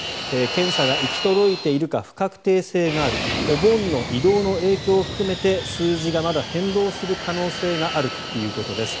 検査が行き届いているか不確定性があるお盆の移動の影響を含めて数字がまだ変動する可能性があるということです。